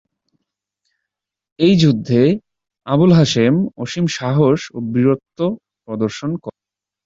এই যুদ্ধে আবুল হাসেম অসীম সাহস ও বীরত্ব প্রদর্শন করেন।